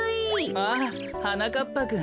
ああはなかっぱくん。